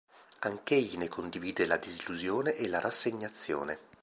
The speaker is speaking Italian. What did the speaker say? Anch'egli ne condivide la disillusione e la rassegnazione.